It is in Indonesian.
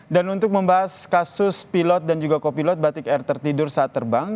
dan untuk membahas kasus pilot dan juga kopilot batik air tertidur saat terbang